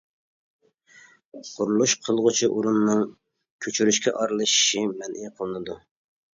قۇرۇلۇش قىلغۇچى ئورۇننىڭ كۆچۈرۈشكە ئارىلىشىشى مەنئى قىلىنىدۇ.